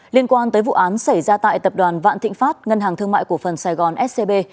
liên quan tới vụ án xảy ra tại tập đoàn vạn thịnh pháp ngân hàng thương mại cổ phần sài gòn scb